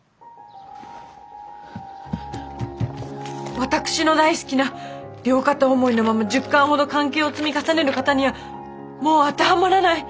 私の大好きな「両片思いのまま１０巻ほど関係を積み重ねる型」にはもう当てはまらない。